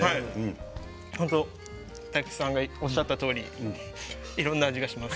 本当大吉さんがおっしゃったとおりいろんな味がします。